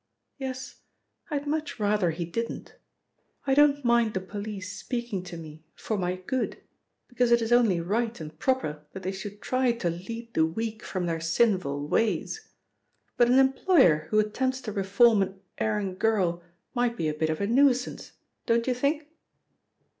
"Yes, I'd much rather he didn't. I don't mind the police speaking to me for my good because it is only right and proper that they should try to lead the weak from their sinful ways. But an employer who attempts to reform an erring girl might be a bit of a nuisance, don't you think?"